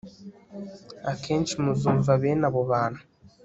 Akenshi muzumva bene abo bantu